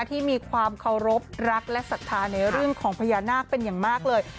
ที่มีความเคารพรักและศรัทธาในเรื่องของพญานาคเป็นอย่างมากเลย